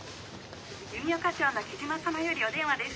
☎弓丘町の雉真様よりお電話です。